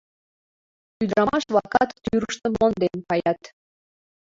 Ӱдырамаш-влакат тӱрыштым монден каят.